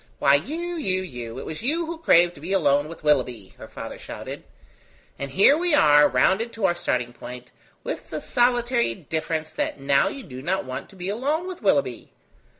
"Why, you, you, you, it was you who craved to be alone with Willoughby!" her father shouted; "and here we are rounded to our starting point, with the solitary difference that now you do not want to be alone with Willoughby.